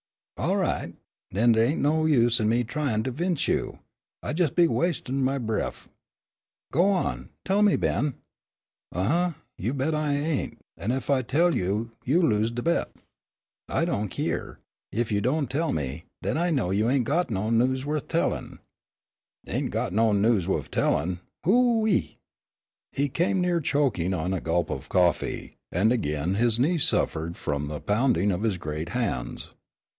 "All right. Den dey ain' no use in me a tryin' to 'vince you. I jes' be wastin' my bref." "Go on tell me, Ben." "Huh uh you bet I ain', an' ef I tell you you lose de bet." "I don' keer. Ef you don' tell me, den I know you ain' got no news worth tellin'." "Ain' go no news wuff tellin'! Who ee!" He came near choking on a gulp of coffee, and again his knee suffered from the pounding of his great hands.